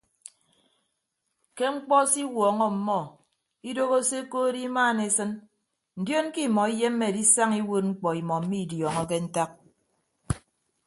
Ke mkpọ se iwuọñọ ọmmọ idooho se ekood imaan esịn ndion ke imọ iyemme edisaña iwuod mkpọ imọ mmidiọọñọke ntak.